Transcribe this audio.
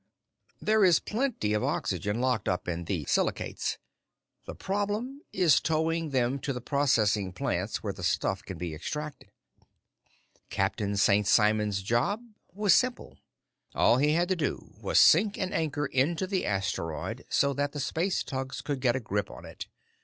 There is plenty of oxygen locked up in those silicates; the problem is towing them to the processing plants where the stuff can be extracted. Captain St. Simon's job was simple. All he had to do was sink an anchor into the asteroid so that the space tugs could get a grip on it.